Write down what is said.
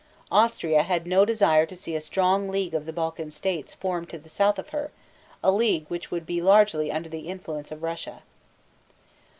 Austria had no desire to see a strong league of the Balkan states formed to the south of her, a league which would be largely under the influence of Russia.